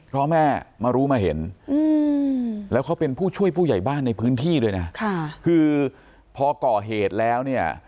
เพราะแม่มารู้มาเห็นแล้วเขาเป็นผู้ช่วยผู้ใหญ่บ้านในพื้นที่ด้วยนะคือพอก่อเหตุแล้วเนี่ย